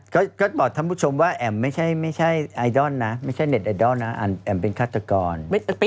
ก็บอกท่านผู้ชมว่าแอมไม่ใช่ไอดอลนะไม่ใช่เน็ตไอดอลนะแอ๋มเป็นฆาตกร